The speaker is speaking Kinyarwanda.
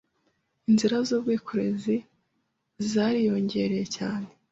Inzira z’ubwikorezi zariyongereye cyane